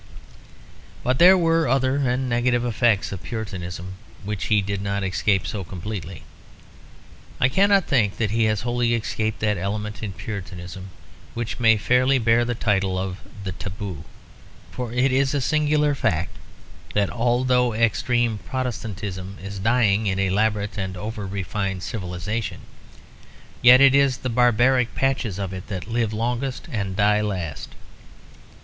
But there were other and negative effects of Puritanism which he did not escape so completely. I cannot think that he has wholly escaped that element in Puritanism which may fairly bear the title of the taboo. For it is a singular fact that although extreme Protestantism is dying in elaborate and over refined civilisation, yet it is the barbaric patches of it that live longest and die last.